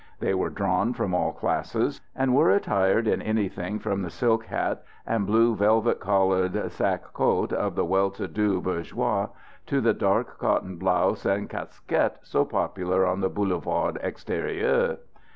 They were drawn from all classes, and were attired in anything from the silk hat and blue velvet collared sacque coat of the well to do bourgeois to the dark cotton blouse and casquette so popular on the boulevards extérieurs.